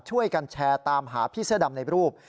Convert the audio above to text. ช่วยกันแชร์ตามหาพี่เสื้อดำในรูป